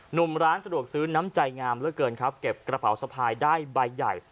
หนุ่มร้านสะดวกซื้อน้ำใจงามเหลือเกินครับเก็บกระเป๋าสะพายได้ใบใหญ่